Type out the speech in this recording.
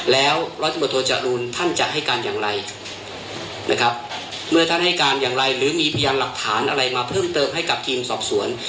แล้วร้อยตำรวจโทจรูลท่านจะให้การอย่างไรนะครับเมื่อท่านให้การอย่างไรหรือมีพยานหลักฐานอะไรมาเพิ่มเติมให้กับทีมสอบสวน